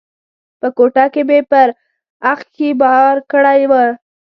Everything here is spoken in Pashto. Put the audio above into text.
په کوټه کې مې پر اخښي بار کړی و.